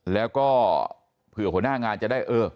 แล้วก็เผื่อหัวหน้างานจะได้เออ